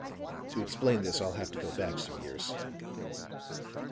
To explain this I'll have to go back some years."